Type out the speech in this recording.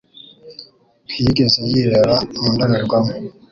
Ntiyigeze yireba mu ndorerwamo?